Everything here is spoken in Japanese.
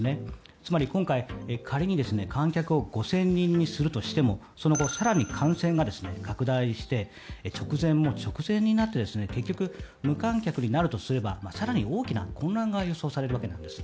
つまり今回、仮に観客を５０００人にするとしてもその後、更に感染が拡大して直前の直前になって結局、無観客になるとすれば更に大きな混乱が予想されるわけなんです。